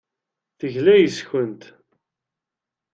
Tegla yes-kent.